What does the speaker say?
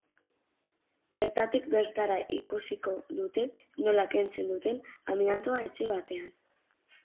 Bertatik bertara ikusiko dute nola kentzen duten amiantoa etxe batean.